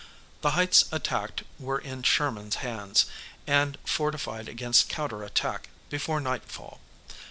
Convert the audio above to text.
The heights attacked were in Sherman's hands, and fortified against counter attack, before nightfall.